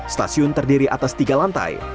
stasiun terdiri atas tiga lantai